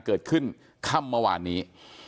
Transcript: เกิดขึ้นค่ำมาว่านี้